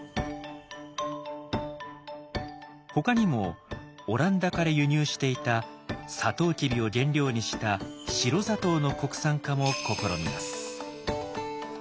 ほかにもオランダから輸入していたサトウキビを原料にした白砂糖の国産化も試みます。